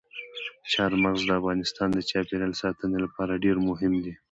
چار مغز د افغانستان د چاپیریال ساتنې لپاره ډېر مهم دي.